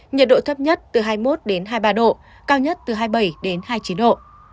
nhiệt độ thấp nhất từ hai mươi một hai mươi ba độ cao nhất từ hai mươi bảy đến hai mươi chín độ